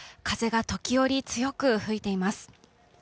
風が時折強く吹いています。